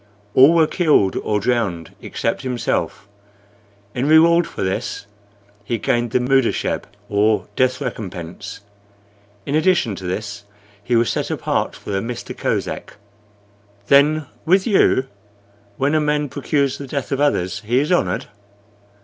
All were killed or drowned except himself. In reward for this he gained the mudecheb, or death recompense. In addition to this he was set apart for the Mista Kosek." "Then, with you, when a man procures the death of others he is honored?"